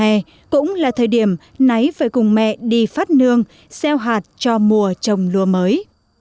năm nay cũng là thời điểm náy phải cùng mẹ đi phát nương xeo hạt cho mùa trồng lúa mới